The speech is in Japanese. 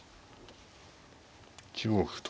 １五歩と。